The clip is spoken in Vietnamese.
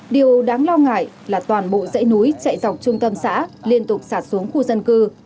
điều đáng lo ngại là toàn bộ dãy núi chạy dọc trung tâm xã liên tục sạt xuống khu dân cư